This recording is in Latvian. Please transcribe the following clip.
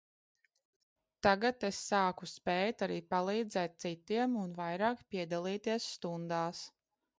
Tagad es sāku spēt arī palīdzēt citiem un vairāk piedalīties stundās.